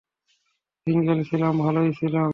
Single ছিলাম ভালোই ছিলাম।